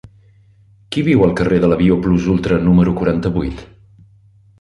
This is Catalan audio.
Qui viu al carrer de l'Avió Plus Ultra número quaranta-vuit?